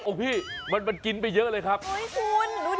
โอ้พี่มันกินไปเยอะเลยครับโอ้โหคุณดูดิ